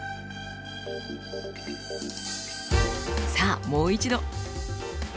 さあもう一度。